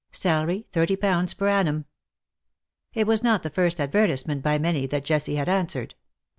Salary, thirty pounds per annum. It was not the first advertisement by many that Jessie had answered.